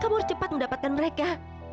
kamu harus cepat mendapatkan mereka